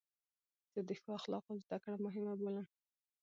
زه د ښو اخلاقو زدکړه مهمه بولم.